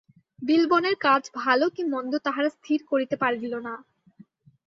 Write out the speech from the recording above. বিলবনের কাজ ভালো কি মন্দ তাহারা স্থির করিতে পারিল না।